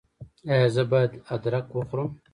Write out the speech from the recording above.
ایا زه باید ادرک وخورم؟